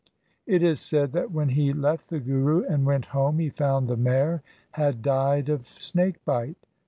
It is said that when he left the Guru and went home, he found the mare had died of snake bite.